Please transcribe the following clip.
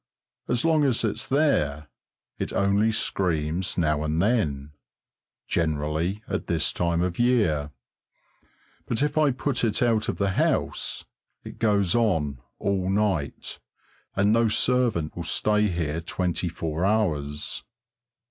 As long as it's there it only screams now and then, generally at this time of year, but if I put it out of the house it goes on all night, and no servant will stay here twenty four hours.